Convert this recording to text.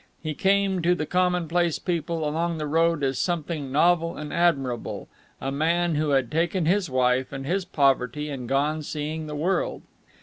He came to the commonplace people along the road as something novel and admirable, a man who had taken his wife and his poverty and gone seeing the world.